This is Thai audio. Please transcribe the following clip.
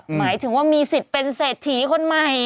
หมายถึงว่ามีสิทธิ์เป็นเศรษฐีคนใหม่